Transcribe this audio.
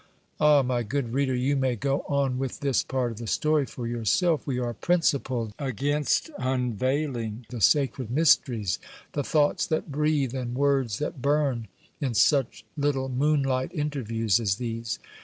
Ah, my good reader, you may go on with this part of the story for yourself. We are principled against unveiling the "sacred mysteries," the "thoughts that breathe and words that burn," in such little moonlight interviews as these.